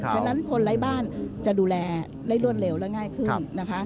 ฉะนั้นคนร้ายบ้านจะดูแลเล่อร่อนเร็วและง่ายขึ้น